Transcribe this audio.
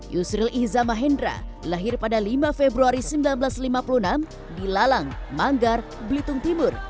yusril iza mahendra lahir pada lima februari seribu sembilan ratus lima puluh enam di lalang manggar belitung timur